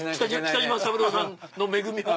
北島三郎さんのめ組は？